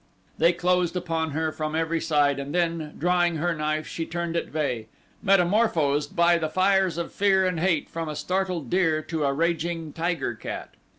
They closed upon her from every side and then, drawing her knife she turned at bay, metamorphosed by the fires of fear and hate from a startled deer to a raging tiger cat.